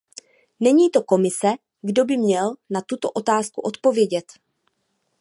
Není to Komise, kdo by měl na tuto otázku odpovědět.